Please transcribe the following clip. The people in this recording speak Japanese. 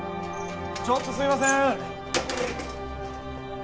・ちょっとすいません。